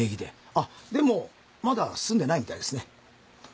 あっでもまだ住んでないみたいですね。